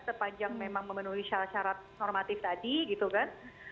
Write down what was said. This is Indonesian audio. sepanjang memang memenuhi syarat syarat normatif tadi gitu kan